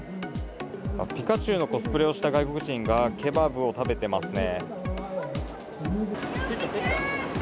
ピカチュウのコスプレをした外国人がケバブを食べてますね。